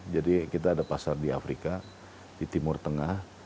jadi kita ada pasar di afrika di timur tengah